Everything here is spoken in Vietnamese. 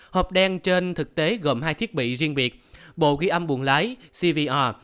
hộp đen trên thực tế gồm hai thiết bị riêng biệt bộ ghi âm buồn lái cvr